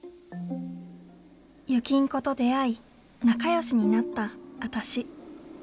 「ゆきんこと出会い仲良しになったあたし」。